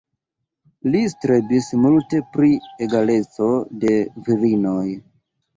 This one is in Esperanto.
Li strebis multe pri egaleco de virinoj.